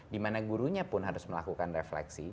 dimana gurunya pun harus melakukan refleksi